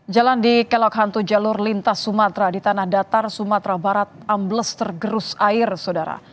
jalan di kelok hantu jalur lintas sumatera di tanah datar sumatera barat ambles tergerus air saudara